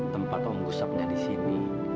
tempat om gustafnya di sini